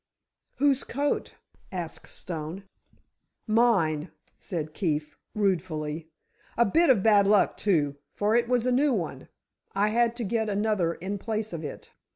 "Whose coat?" asked Stone. "Mine," said Keefe, ruefully. "A bit of bad luck, too, for it was a new one. I had to get another in place of it."